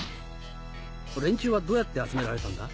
連中はどうやって集められたんだ？